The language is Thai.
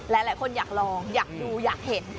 หลายคนอยากลองอยากดูอยากเห็น